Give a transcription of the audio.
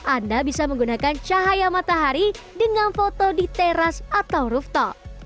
anda bisa menggunakan cahaya matahari dengan foto di teras atau rooftol